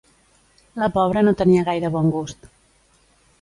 La pobra no tenia gaire bon gust.